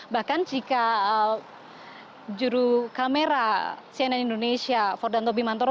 bahkan jika juru kamera cnn indonesia fordanto bimantoro